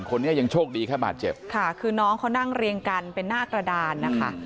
คนนี้ยังโชคดีแค่บาดเจ็บค่ะคือน้องเขานั่งเรียงกันเป็นหน้ากระดานนะคะ